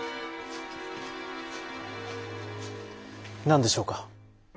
何でしょうか？